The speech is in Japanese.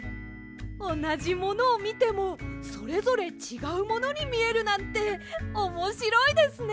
おなじものをみてもそれぞれちがうものにみえるなんておもしろいですね！